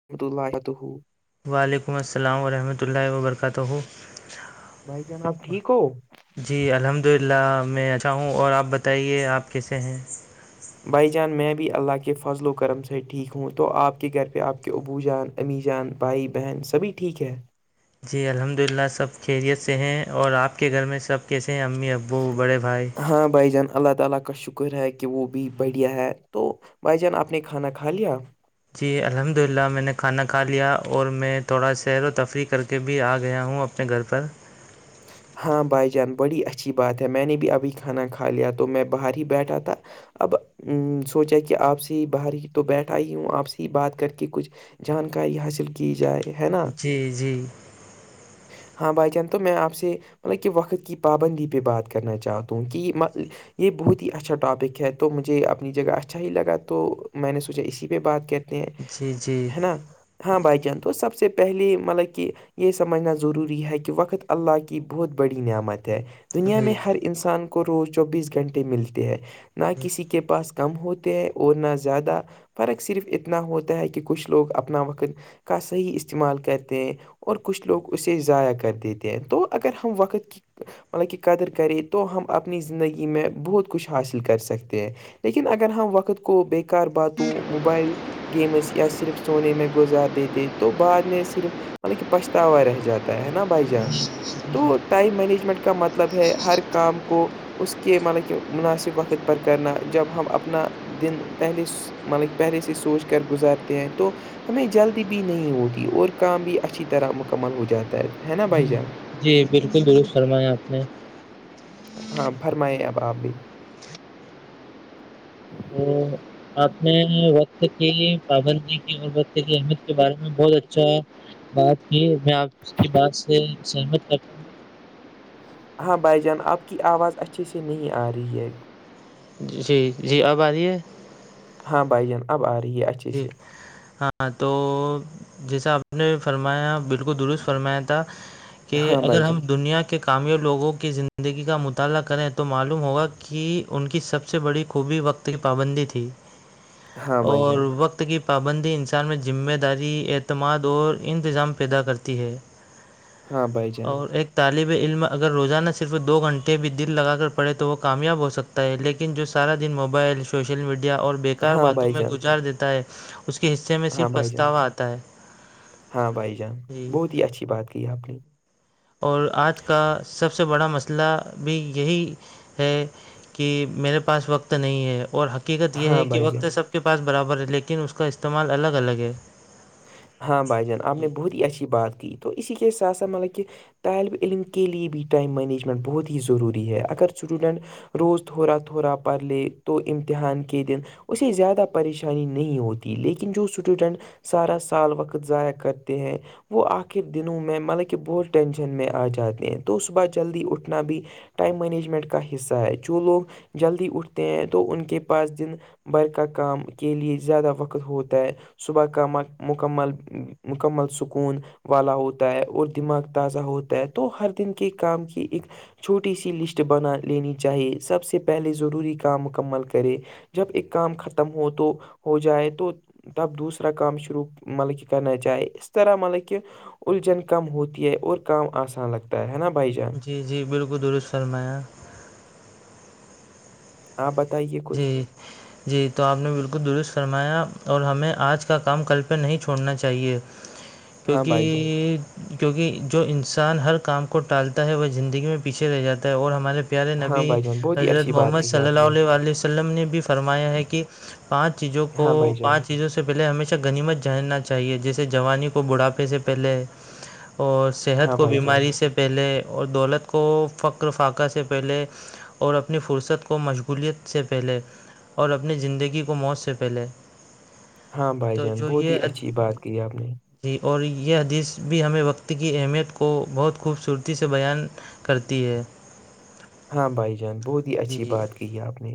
[inaudible] وعلیکم السلام ورحمۃ اللہ وبرکاتہ بھائی جن آپ ٹھیک ہو جی الحمد للہ میں اچھا ہوں اور آپ بتائیے آپ کیسے ہیں بھائی جان میں بھی اللہ کے فضل و کرم سے ٹھیک ہوں تو آپ کے گھر پہ آپ کے ابو جان امی جان بھائی بہن سبھی ٹھیک ہے جی الحمد للہ سب خیریت سے ہیں اور آپ کے گھر میں سب کیسے ہیں امی ابو بڑے بھائی ہاں بھائی جان اللہ تعالی آپ کا شکر ہے کہ وہ بھی بڑھیا ہے تو بھائی جان آپ نے کھانا کھا لیا جی الحمد للہ میں نے کھانا کھا لیا اور میں تھوڑا سیر و تفریح کر کے بھی آ گیا ہوں اپ نے گھر پر ہاں بھائی جان بڑی اچھی بات ہے میں نے بھی ابھی کھانا کھا لیا تو میں باہر ہی بیٹھا تھا اب سوچا کی آپ سے ہی باہر ہی تو بیٹھا ہی ہوں آپ سے ہی بات کر کے کچھ جانکاری حاصل کی جائے ہے نا جی جی ہاں بھائی جان تو میں آپ سے مطلب کہ وقت کی پابندی پے بات کرنا چاہ تو کی [unintelligible] جی یے بہت اچھا ٹاپک ہے تو مجھے اپنی جگہ اچھا ہی لگا تو میں نے سوچا اسی پے بات کیا تے جی جی ہے نا ہاں بھائی جان تو سب سے پہلے مطلب کی یے سمجھنا ضروری ہے کی وقت اللہ کی بہت بڑی نعمت ہے دنیا میں جی ہر انسان کو روز چوبیس گھنٹے ملتے ہیں نا کسی کے پاس کم ہوتے ہیں اور نا زیادہ فرق صرف اتنا ہوتا ہے کی کچھ لوگ اپنا وقت کا صحیح استعمال کرتے ہیں اور کچھ لوگ اسے ضائع کر دے تے تو اگر ہم وقت کی ملب کی قدر کرے تو ہم اپنی زندگی میں بہت کچھ حاصل کر سکتے ہیں لیکن اگر ہم وقت کو بیکار باتوں موبائل گیمس یا صرف سونے میں گزار دیتے تو بعد میں صرف مطلب کی پچھتاوا رہ جاتا ہے نا بھائی جان تو ٹائم مینجمنٹ کا مطلب ہے ہر کام کو اس کے ملب کہ مناسیب وقت پر کرنا جب ہم اپنا دن پہلے ص ملب پہلے سے سوچ کر گزارتے ہیں تو ہمیں جلدی بھی نہیں ہوتی اور کام بھی اچھی طرح مکمل ہو جاتا ہے ہے نا بھائی جان جی بالکل درست فرمایا آپ نے ہاں فرمائی اب آپ بھی [unintelligible] آپ نے وقت کی پابندی کی اور وقت کی اہمیت کے بارے میں بہت اچھا بات کی میں آپ کی بات سے سہمت کرت ہاں بھائی جان آپ کی آواز اچھے سے نہیں آ رہی ہے جی جی آب آری ہے ہاں بھائی جان اب آ رہی ہے اچھے جی سے ہاں تو جیسا آپ نے فرمایا بالکل درست فرمایا تھا کہ ہاں بھائی اگر ہم جان دنیا کے کامیاب لوگوں کی زندگی کا مطالعہ کریں تو معلوم ہوگا کی ان کی سب سے بڑی خوبی وقت کی پابندی تھی ہاں بھائی جان اور وقت کی پابندی انسان میں ذمہ داری اعتماد اور انتظام پیدا کرتی ہے ہاں بھائی جان اور ایک طالب علم اگر روزانہ صرف دو گھنٹے بھی دل لگا کر پڑھے تو وہ کامیاب ہو سک تا ہے لیکن جو سارا دن موبائل سوشل میڈیا اور بیکار ہاں باتوں بھائی میں جان گزار دیتا ہے اس کے حصے میں ہاں صرف بھائی جان پچھتاوا آتا ہے جی جی اچھی بات ہے کی آپنی اور آج کا سب سے بڑا مسلہ بھی یہی ہے کہ میرے پاس وقت نہیں ہے اور حق حقیقت یہ ہاں ہے کہ بھائی وقت جان تو سب کے پاس برابر ہے لیکن اس کا استعمال الگ الگ ہے ہاں بھائی جان آپ نے جی بہت ہی اچھی بات کی تو اسی کے ساتھ ساتھ مطلب کہ طالب علم کے لیے بھی ٹائم مینجمنٹ بہت ہی ضروری ہے اگر اسٹوڈنٹ روز تھورا تھورا پرلے تو امتحان کے دن اسے زیادہ پریشانی نہیں ہوتی لیکن جو اسٹوڈنٹ سارا سال وقت ضائع کرتے ہیں وہ آخر دنوں میں مطلب کہ بہت ٹینشن میں آ جاتے ہیں تو صبح جلدی اٹھنا بھی ٹائم مینجمنٹ کا حصہ ہے جو لوگ جلدی اٹھتے ہیں تو ان کے پاس دن بر کا کام کے لیے زیادہ وقت ہوتا ہے صبح مکمل مکمل مکمل سکون والا ہوتا ہے اور دماغ تازہ ہوتا ہے تو ہر دن کے کام کی ایک چھوٹی سی لسٹ بنا لینی چاہیے سب سے پہلے ضروری کام مکمل کرے جب ایک کام ختم ہو تو ہو جائے تو تب دوسرا اس طرح کام شروع مطلب کہ کرنا چاہے اس طرح مطلب کہ الجن کم ہوتی ہے اور کام آسان لگتا ہے نا بھائی جان جی جی بالکل درست فرمایا آپ بتائیے کچھ جی جی تو آپ نے بالکل درست فرمایا اور ہمیں آج کا کام کل پہ نہیں چھوڑنا چاہیے ہاں بھائی جان کیوکیہ کیوکیہ جو انسان ہر کام کو ٹالتا ہے وہ زندگی میں پیچھے رہ جاتا ہے اور ہمارے پیارے ہاں نبی بھائی جان بہت ہی حضرت اچھی بات محمد کہی صلی آپ نے اللیہ علیہ وسلم نے بھی فرمایا ہے کہ پانچ چیزوں کو ہاں بھائی جان پانچ چیزوں سے پہلے ہمیشہ گنیمت جاننا چاہیے جیسے جوانی کو بڑھاپے سے پہلے اور صحت ہاں کو بھائی جان بیماری سے پہلے اور دولت کو فخر فقہ سے پہلے اور اپنی فرصت کو مشغولیت سے پہلے اور اپنی زندگی کو موت سے پہلے ہاں بھائی تو جان جو بہت ہی یہ اچھی بات کی آپ نے جی اور یہ حدیث بھی ہمیں وقت کی اہمیت کو بہت خوبصورتی سے بیان کرتی ہے ہاں بھائی جان بہت ہی جی اچھی جی بات کہ ہے آپ نے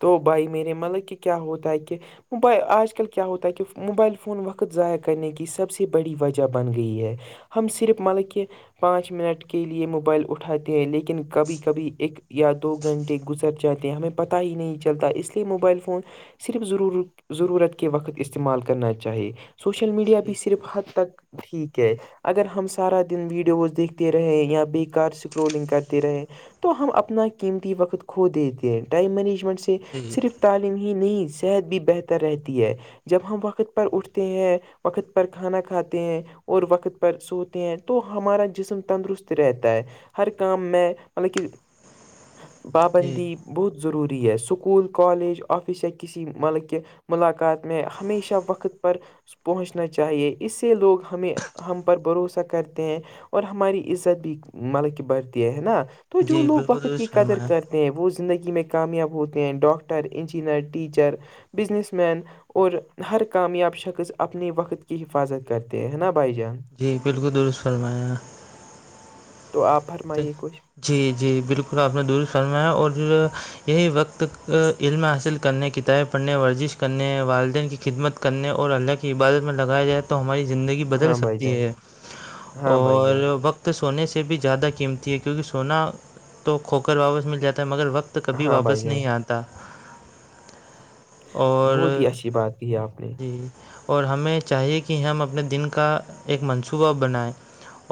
تو بھائی میرے مطلب کہ کیا ہوتا ہے کہ موب آج کل کیا ہوتا ہے کہ موبائل فون وقت ضائع کرنے کی سب سے بڑی وجہ بن گئی ہے ہم صرف مطلب کہ پانچ منٹ کے لے موبائل اٹھاتے ہیں لیکن کبھی کبھی ایک یا دو گھنٹے گزر جاتے ہیں ہمیں پتہ ہی نہیں چلتا اس لیے موبائل فون صرف ضرورت ضرورت کے وقت استعمال کرنا چاہیے سوشل میڈیا بھی جی صرف حد تک ٹھیک ہے اگر ہم سارا دن ویڈیوز دیکھتے رہے یا بے کار اسکرولنگ کرتے رہے تو ہم اپنا قیمتی وقت کھو دیتے ہیں ٹائم مینجمنٹ سے جی صرف تال ہی نہیں صحت بھی بہتر رہتی ہے جب ہم وقت پر اٹھتے ہیں وقت پر کھانا کھاتے ہیں اور وقت پر سوتے ہیں تو ہمارا جسم تندرست رہتا ہے ہر کام میں ملک جی بابندی بہت ضروری ہے اسکول کالج آفس یا کسی ملک ملاقات میں ہمیشہ وقت پر پہنچنا چاہیے اس سے لوگ ہمیں ہم پر بھروسہ کرتے ہیں اور ہماری عزت بھی مطلب کی بات یہ ہے نا تو جو جی لوگ بالکل وقت کی درست قدر فرمایا کرتے ہیں وہ زندگی میں کامیاب ہوتے ہیں doctor engineer teacher businessman اور ہر کامیاب شخص اپنے وقت کی حفاظت کرتے ہیں نا بھائی جان جی بالکل درست فرمایا تو آپ فرمائیے کچھ جی جی بالکل آپ نے دور فرمایا اور پھر یہی وقت ا علم حاصل کرنے کتابیں پڑھنے ورزش کرنے والدین کی خدمت کرنے اور اللہ کی عبادت میں لگایا جاتے تو ہماری زندگی بدل ہاں بھائی سکتی جان ہے ہاں بھائی اور جان وقت سونے سے بھی زیادہ کی قیمتی ہے کیونکہ سونا تو کھو کر واپس مل جاتا ہے مگر وقت کبھی ہاں بھائی واپس جان نہیں آتا بہت ہی اور اچھی بات کی آپ نے جی اور ہمیں چاہیے کہ ہم اپنے دن کا ایک منصوبہ بنائیں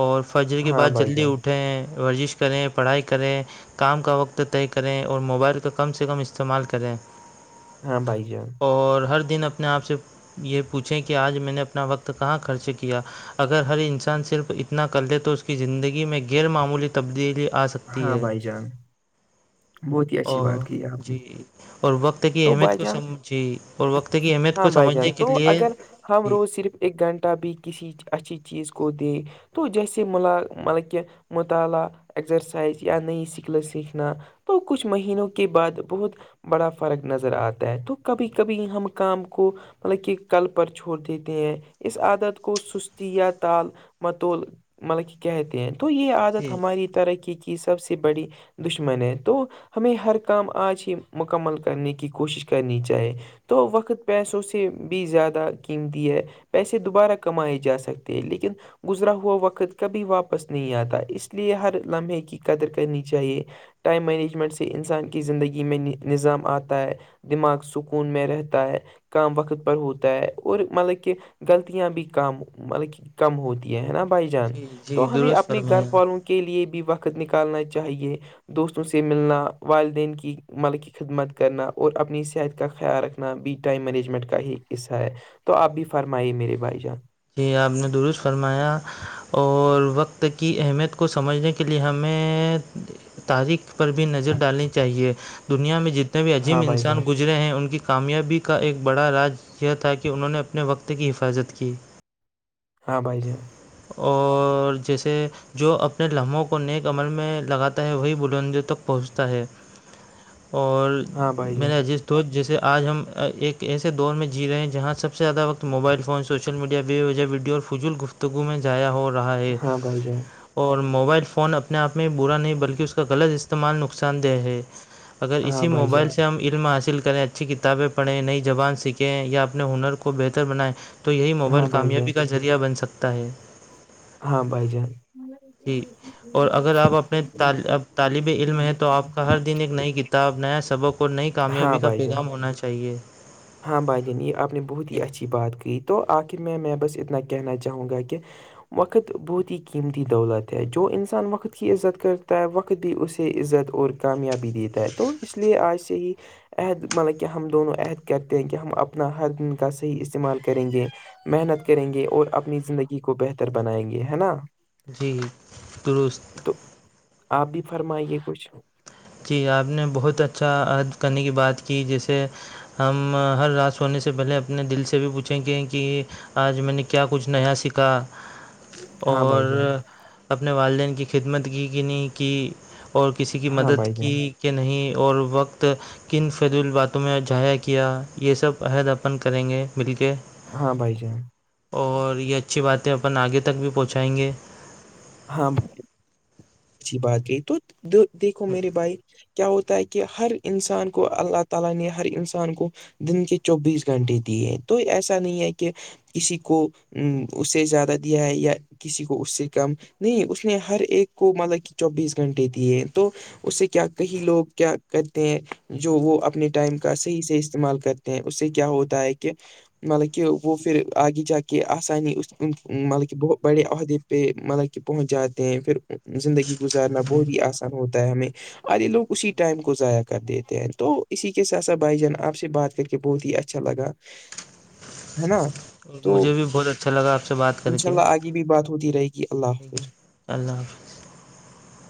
اور فجر کے ہاں بعد بھائی جلدی جان اٹھیں ورزش کریں پڑھائی کریں کام کا وقت طے کریں اور موبائل کم سے کم استعمال کریں ہاں بھائی جان اور پر دن اپنے آپ سے یہ پوچھیں کہ آج میں نے اپنا وقت کہاں خرچ کیا اگر ہر انسان صرف اتنا کر لے تو اس کی زندگی میں غیر معمولی تبدیلی آ س ہاں بھائی جان بہت ہی اچھی اور بات کی آپ نے جی اور وقت کی تو اہمیت بھائی کو جان سمجھی اور وقت کی اہمیت ہاں کو بھائی سمجھنے جان کے تو لیے اگر ہم جی روز صرف ایک گھنٹہ بھی کسی اچھی چیز کو دیں تو جیسے ملا مطلب کہ مطالعہ ازرسائز یا نئی سکلیں سیکھنا تو کچھ مہینوں کے بعد بہت بڑا فرق نظر آتا ہے تو کبھی کبھی ہم کام کو مطلب کہ کل پر چھوڑ دیتے ہیں اس عادت کو سستی یا تال متول مطلب کہ کہتے ہیں تو یہ عادت جی ہماری ترقی کی سب سے بڑی دشمن ہے تو ہمیں ہر کام آج ہی مکمل کرنے کی کوشش کرنی چاہیے تو وقت پیسوں سے بھی زیادہ قیمتی ہے پیسے دوبارہ کمائے جا سکتے ہیں لیکن گزرا ہوا وقت کبھی واپس نہیں آتا اس لیے ہر لمحے کی قدر کرنی چاہیے ٹائم مینجمنٹ سے انسان کی زندگی میں نظام آتا ہے دماغ سکون میں رہتا ہے کام وقت پر ہوتا ہے اور مطلب کہ غلطیاں بھی کام مطلب کہ کم ہوتی ہے نا بھائی جان جی جی تو ہمیں درست اپنے گھر فرمایا والوں کے لیے بھی بھی وقت نکالنا چاہیے دوستوں سے ملنا والدین کی مل کی خدمت کرنا اور اپنی صحت کا خیال رکھنا نا بی ٹائم مینجمنٹ کا ہی حصہ ہے تو آپ بھی فرمائیے میرے بھائی جان جی آپ نے درست فرمایا اور وقت کی اہمیت کو سمجھنے کے لیے ہمیں تاریخ پر بھی نظر ڈالنی چاہیے دنیا میں جتنے بھی عظیم ہاں بھائی جان انسان گزرے ہیں ان کی کامیابی کا ایک بڑا راج یہ تھا کہ انہوں نے اپنے وقت کی حفاظت کی ہاں بھائی جے اور جیسے جو اپنے لمحوں کو نیک عمل میں لگاتا ہے وہی بلندوں تک پہنچتا ہے اور ہاں بھائی جان میرے عزیز دوست جیسے آج ہم ایک ایسے دور میں جی رہے ہیں جہاں سب سے زیادہ وقت موبائل فون سوشل میڈیا بے وجہ ویڈی اور فجول گفت گو میں ضیاء ہو رہا ہے ہاں بھائی جان اور موبائل فون اپب اپنے آپ میں برا نہیں بلکہ اس کا غلط استعمال نقصان دہ ہے اگر ہاں اسی بھائی جان موبائل سے ہم علم حاصل کریں اچھی کتابیں پڑھیں نئی زبان سیکھیں یا اپنے ہنر کو بہتر بنائیں تو یہی موبائل ہاں بھائی کامیابی جان کا ذریعہ بن سکتا ہے ہاں بھائی جان جی اور اگر آپ اپنے اب طالب علم ہے تو آپ کا ہر دن ایک نئی کتاب نیا سبق اور نئی کامیابی ہاں کا بھائی جان پیغام ہونا چاہیے ہاں بھائی جان یہ آپ نے بہت ہی اچھی بات کہی تو آخر میں میں بس اتنا کہنا چاہوں گا کہ وقت بہت ہی قیمتی دولت ہے جو انسان وقت کی عزت کرتا ہے وقت بھی اسے عزت اور کامیابی دیتا ہے تو اس لیے آج سے ہی عہد مطلب کہ ہم دونوں عہد کرتے ہیں کہ ہم اپنا ہر دن کا صحیح استعمال کریں گے محنت کریں گے اور اپنی زندگی کو بہتر بنائیں گے ہے نا جی درست تو آپ بھی فرمائیے کچھ جی آپ نے بہت اچھا عہد کرنے کی بات کی جیسے ہم ہر رات سونے سے پہلے اپنے دل سے بھی پوچھیں گے کی آج میں نے کیا کچھ نیا سیکھا ہاں اور بھائی جان اپنے والدین کی خدمت کی کی نہیں کی اور کسی کی ہاں مدد بھائی کی جان کے نہیں اور وقت کن فضول باتوں میں جایا کیا یہ سب عہد اپن کریں گے مل کے ہاں بھائی جان اور یہ اچھی باتیں اپن آگے تک بھی پہنچائیں گے ہاں اچھی بات کی تو دیکھ دیکھو میرے بھائی کیا ہوتا ہے کہ ہر انسان کو اللہ تعالی نے ہر انسان کو دن کے چوبیس گھنٹے دیے تو ایسا نہیں ہے کے کسی کو ام اس سے زیادہ دیا ہے یا کسی کو اس سے کم نہیں اس نے ہر ایک کو مطلب کے چوبیس گھنٹے دیے تو اس سے کیا کہیں لوگ کیا کرتے ہیں جو وہ اپنے ٹائم کا صحیح سے استعمال کرتے اس سے کیا ہوتا ہے کے مطلب کے وہ پھر آگے جا کے آسانی مطلب کے ہمم بت بڑے عہدے پہ مطلب کہ پہنچ جاتے ہیں پھر زندگی گزارنا بہت ہی آسان ہوتا ہے ہمیں اور یہ لوگ اسی ٹائم کو ضائع کر دیتے ہیں تو اسی کے ساتھ ساتھ بھائی جان آپ سے بات کر کے بہت ہی اچھا لگا ہے نا تو مجھے بھی بہت اچھا لگا آپ سے بات کر انشاء کے اللہ آگے بھی بات ہوتی رہے گی اللہ حافظ اللہ حافظ